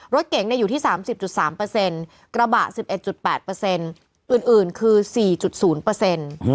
รถเก่งได้อยู่ที่๓๐๓กระบะ๑๑๘อื่นคือ๔๐